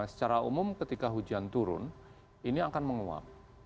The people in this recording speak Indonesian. secara umum ketika hujan turun ini akan menguap